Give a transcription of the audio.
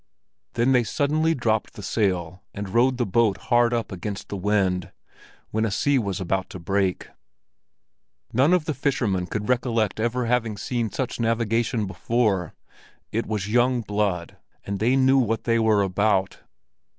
Then they suddenly dropped the sail and rowed the boat hard up against the wind—when a sea was about to break. None of the fishermen could recollect ever having seen such navigation before; it was young blood, and they knew what they were about.